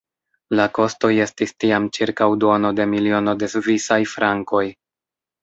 La kostoj estis tiam ĉirkaŭ duono de miliono de svisaj frankoj.